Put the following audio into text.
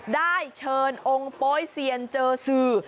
ได้เชิญองค์โป๊ยเซียนเจอสื่อ